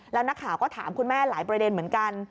แล้วนักข่าวก็ถามคุณแม่หลายประเด็นเหมือนกัน